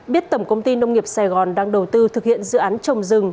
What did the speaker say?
biết tổng công ty nông nghiệp sài gòn đang đầu tư thực hiện dự án trồng rừng